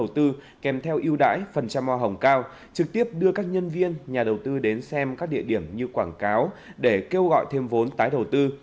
trực tiếp đưa các nhân viên nhà đầu tư đến xem các địa điểm như quảng cáo để kêu gọi thêm vốn tái đầu tư